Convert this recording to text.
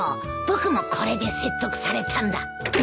僕もこれで説得されたんだ。